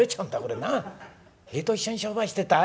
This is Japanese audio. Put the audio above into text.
塀と一緒に商売してるとは。